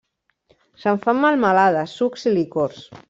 Se'n fan melmelades, sucs i licors.